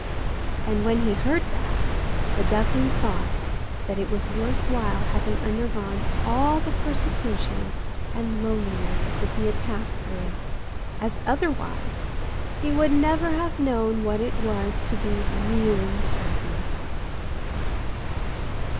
And when he heard that, the duckling thought that it was worth while having undergone all the persecution and loneliness that he had passed through, as otherwise he would never have known what it was to be really happy.